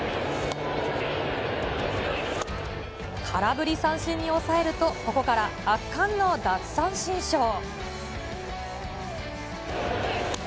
空振り三振に抑えると、ここから圧巻の奪三振ショー。